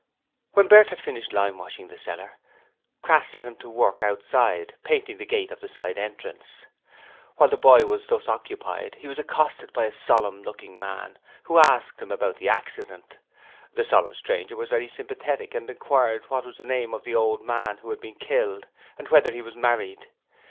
When Bert had finished limewashing the cellar, Crass set him to work outside, painting the gate of the side entrance. While the boy was thus occupied he was accosted by a solemn looking man who asked him about the accident. The solemn stranger was very sympathetic and inquired what was the name of the man who had been killed, and whether he was married.